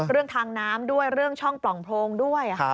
เรื่องทางน้ำด้วยเรื่องช่องปล่องโพรงด้วย